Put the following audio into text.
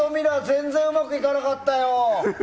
全然うまくいかなかったよ！